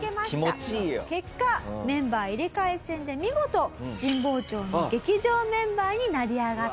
結果メンバー入れ替え戦で見事神保町の劇場メンバーに成り上がったと。